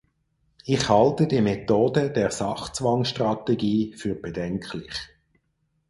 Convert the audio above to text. Ich halte die Methode der Sachzwangstrategie für bedenklich.